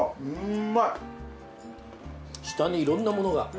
下にいろんなものが。